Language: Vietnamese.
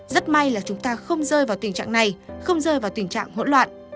rất may là chúng ta không rơi vào tình trạng này không rơi vào tình trạng hỗn loạn